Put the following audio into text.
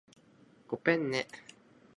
ごぺんね